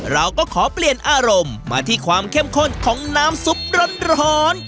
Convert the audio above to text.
เราก็ขอเปลี่ยนอารมณ์มาที่ความเข้มข้นของน้ำซุปร้อน